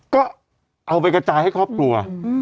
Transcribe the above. ก็เอาไปกระจายให้ครอบครัว